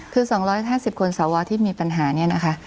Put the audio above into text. คือ๒๕๐คนสวที่มีปัญหาเนี่ยนะคะ